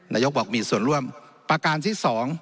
นายกบอกมีส่วนร่วมประการที่๒